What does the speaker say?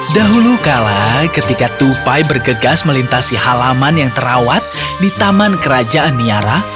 dahulu kala ketika tupai bergegas melintasi halaman yang terawat di taman kerajaan niara